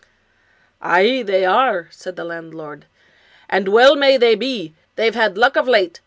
" Aye are they," said the landlord, " and well may they be. They've had luck of late.